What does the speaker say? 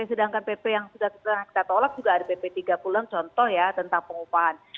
sedangkan pp yang sudah kita tolak juga ada pp tiga puluh an contoh ya tentang pengupahan